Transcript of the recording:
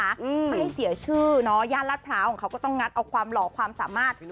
ไม่ให้เสียชื่อเนอะย่านลาดพร้าวของเขาก็ต้องงัดเอาความหล่อความสามารถ